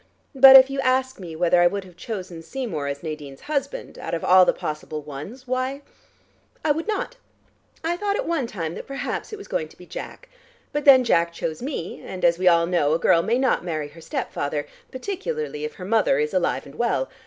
But if you ask me whether I would have chosen Seymour as Nadine's husband, out of all the possible ones, why, I would not. I thought at one time that perhaps it was going to be Jack. But then Jack chose me, and, as we all know, a girl may not marry her stepfather, particularly if her mother is alive and well.